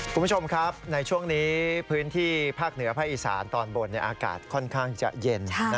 คุณผู้ชมครับในช่วงนี้พื้นที่ภาคเหนือภาคอีสานตอนบนอากาศค่อนข้างจะเย็น